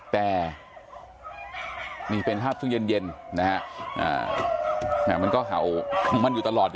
แต่นี่เป็นภาพช่วงเย็นนะฮะมันก็เห่าของมันอยู่ตลอด